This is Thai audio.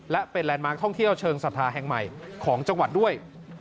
และเป็นแลนดมาร์คท่องเที่ยวเชิงศรัทธาแห่งใหม่ของจังหวัดด้วย